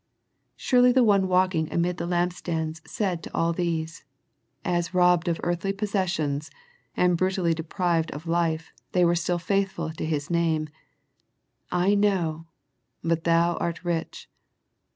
Surely the One walking amid the lampstands said to all these, as robbed of earthly possessions, and brutally deprived of life they were still faith ful to His name, " I know ... but thou art rich."